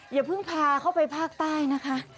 อย่าเพิ่งพาเข้าไปภาคใต้นะคะ